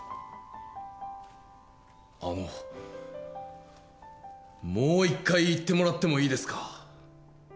あのもう１回言ってもらってもいいですか？